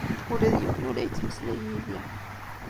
Ula d yiwen ur la yettmeslay yid-i.